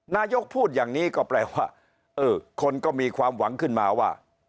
นายกพูดอย่างนี้ก็แปลว่าเออคนก็มีความหวังขึ้นมาว่า